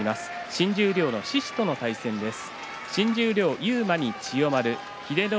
新十両の獅司との対戦です。